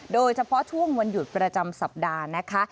โดยเฉพาะช่วงวันหยุดประจำสัปดาห์นะคะ